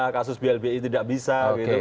kasus blbi tidak bisa